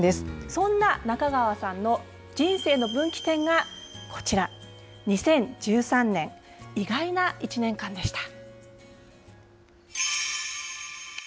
そんな中川さんの人生の分岐点がこちら、２０１３年、意外な１年間でした。